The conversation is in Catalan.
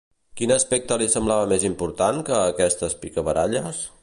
Quin aspecte li sembla més important que aquestes picabaralles?